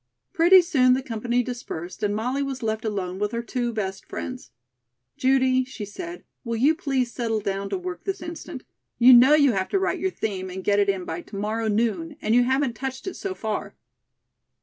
Pretty soon the company dispersed and Molly was left alone with her two best friends. "Judy," she said, "will you please settle down to work this instant? You know you have to write your theme and get it in by to morrow noon, and you haven't touched it so far."